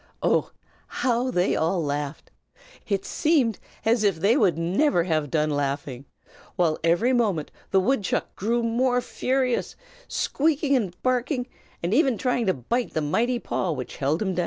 Oh, how they all laughed! It seemed as they would never have done laughing; while every moment the woodchuck grew more furious, squeaking and barking, and even trying to bite the mighty paw which held him.